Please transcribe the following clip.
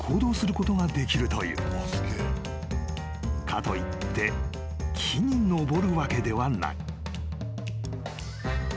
［かといって木に登るわけではない］